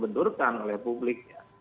dan terbenturkan oleh publiknya